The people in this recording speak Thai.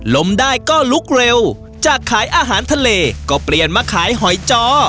ลมได้ก็ลุกเร็วจากขายอาหารทะเลก็เปลี่ยนมาขายหอยจอ